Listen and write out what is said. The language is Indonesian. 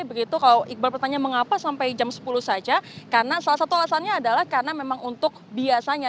begitu kalau iqbal bertanya mengapa sampai jam sepuluh saja karena salah satu alasannya adalah karena memang untuk biasanya